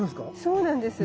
そうなんですよ。